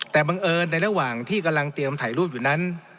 แต่บังเอิญในระหว่างที่กำลังเตรียมถ่ายรูปอยู่นั้น